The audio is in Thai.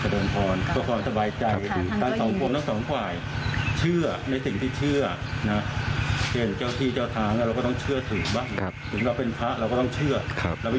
ถึงเราเป็นพระเราก็ต้องเชื่อเราไม่อยู่ที่ไหนเราก็ต้องกราบไหว้เจ้าที่เจ้าทางครูบาอาจารย์